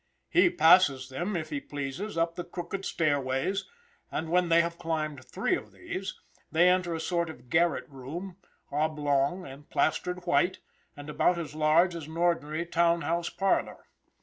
He passes them, if he pleases, up the crooked stairways, and when they have climbed three of these, they enter a sort of garret room, oblong, and plastered white, and about as large as an ordinary town house parlor.